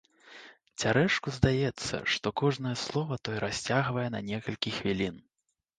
Цярэшку здаецца, што кожнае слова той расцягвае на некалькі хвілін.